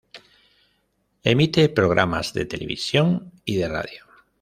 Emite programas de televisión y de radio.